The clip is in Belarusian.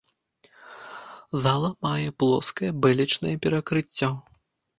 Зала мае плоскае бэлечнае перакрыцце.